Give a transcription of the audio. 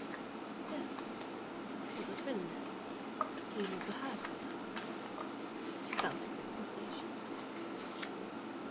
Yes, there was a thrill in it, even for her cold heart. She felt a quick pulsation.